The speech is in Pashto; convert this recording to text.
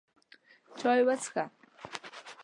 چای وڅښه!